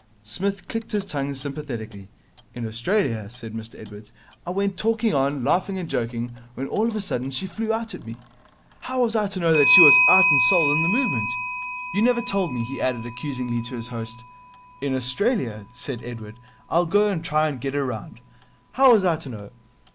Psmith clicked his tongue sympathetically. 'In Australia ' said Edward. 'I went talking on, laughing and joking, when all of a sudden she flew out at me. How was I to know she was 'eart and soul in the movement? You never told me,' he added accusingly to his host. 'In Australia ' said Edward. 'I'll go and try and get her round. How was I to know?'